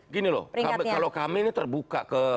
gini loh kalau kami ini terbuka ke